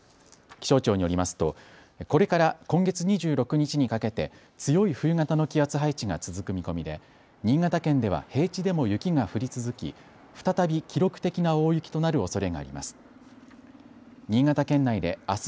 気象庁によりますとこれから今月２６日にかけて強い冬型の気圧配置が続く見込みで新潟県では平地でも雪が降り続き再び記録的な大雪となるおそれがあります。